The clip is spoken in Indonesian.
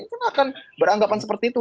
kenapa beranggapan seperti itu